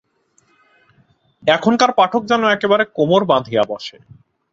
এখনকার পাঠক যেন একেবারে কোমর বাঁধিয়া বসে।